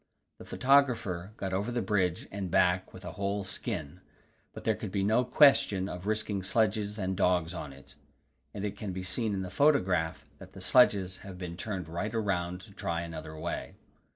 The photographer got over the bridge and back with a whole skin, but there could be no question of risking sledges and dogs on it, and it can be seen in the photograph that the sledges have been turned right round to try another way.